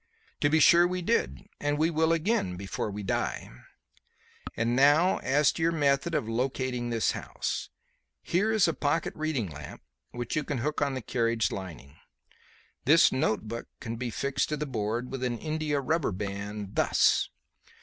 "To be sure we did; and we will again before we die. And now as to your method of locating this house. Here is a pocket reading lamp which you can hook on the carriage lining. This notebook can be fixed to the board with an india rubber band thus.